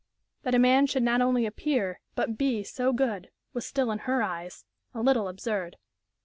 That a man should not only appear but be so good was still in her eyes a little absurd.